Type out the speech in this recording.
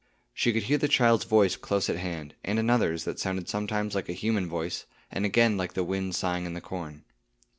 She could hear the child's voice close at hand, and another's, that sounded sometimes like a human voice, and again like the wind sighing in the corn.